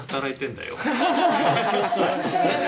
いいよね